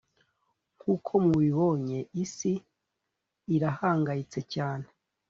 nkuko mubibonye isi irahangayitse cyane